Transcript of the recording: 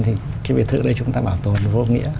thì cái biệt thự đấy chúng ta bảo tồn vô nghĩa